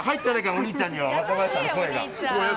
お兄ちゃんには若林さんの声が。